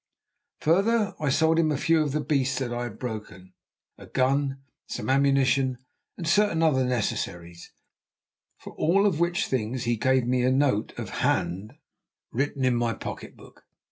Further, I sold him a few of the beasts that I had broken, a gun, some ammunition and certain other necessaries, for all of which things he gave me a note of hand written in my pocket book.